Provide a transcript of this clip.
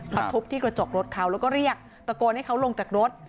ทุบที่กระจกรถเขาแล้วก็เรียกตะโกนให้เขาลงจากรถ